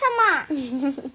フフフフ。